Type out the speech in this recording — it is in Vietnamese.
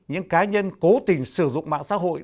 những cá nhân cố tình sử dụng mạng xã hội